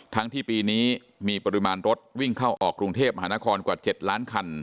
ทั้งที่ปีนี้มีปริมาณรถวิ่งเข้าออกกรุงเทพมหานครกว่า๗ล้านคัน